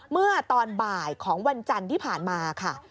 เมื่อตอนบ่ายของวันจันทร์ที่ผ่านมาค่ะ